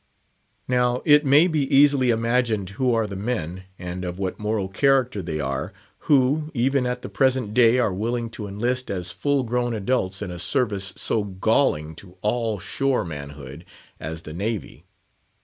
Now it may be easily imagined who are the men, and of what moral character they are, who, even at the present day, are willing to enlist as full grown adults in a service so galling to all shore manhood as the Navy.